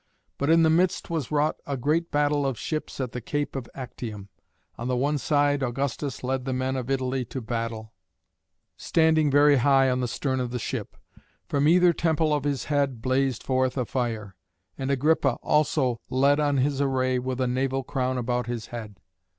But in the midst was wrought a great battle of ships at the cape of Actium. On the one side Augustus led the men of Italy to battle, standing very high on the stern of the ship. From either temple of his head blazed forth a fire. And Agrippa also led on his array with a naval crown about his head.